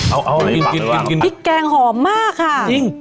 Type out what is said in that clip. เอากินพริกแกงหอมมากค่ะจริง